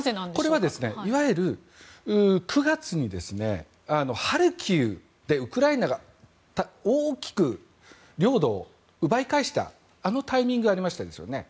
これはいわゆる９月にハルキウでウクライナが大きく領土を奪い返したタイミングがありましたよね。